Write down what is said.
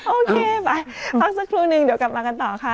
โอเคไปพักสักครู่นึงเดี๋ยวกลับมากันต่อค่ะ